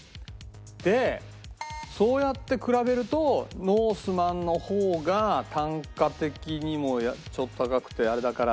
でそうやって比べるとノースマンの方が単価的にもちょっと高くてあれだから。